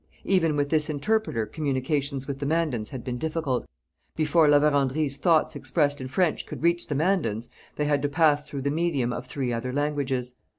Even with this interpreter communications with the Mandans had been difficult. Before La Vérendrye's thoughts expressed in French could reach the Mandans, they had to pass through the medium of three other languages.